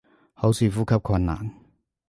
好似呼吸困難